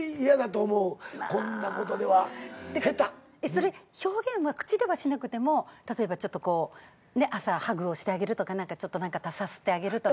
それ表現は口ではしなくても例えばこう朝ハグをしてあげるとかちょっとさすってあげるとか。